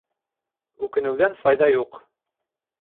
Үкенеүҙән файҙа юҡ.